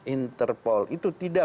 interpol itu tidak